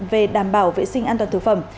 về đảm bảo vệ sinh an toàn thực phẩm